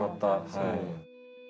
はい。